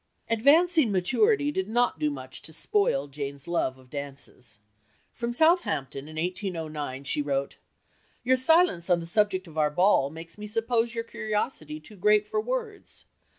Advancing maturity did not do much to spoil Jane's love of dances. From Southampton, in 1809, she wrote: "Your silence on the subject of our ball makes me suppose your curiosity too great for words.